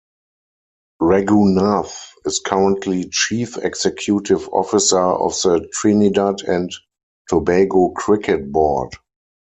Ragoonath is currently Chief Executive Officer of the Trinidad and Tobago Cricket Board.